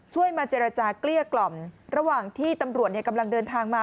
มาเจรจาเกลี้ยกล่อมระหว่างที่ตำรวจกำลังเดินทางมา